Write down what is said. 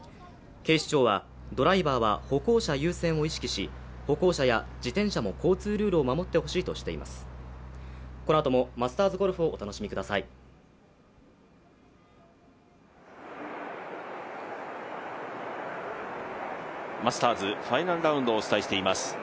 警視庁は、ドライバーは歩行者優先を意識し歩行者や自転車も交通ルールを守ってほしいとしています。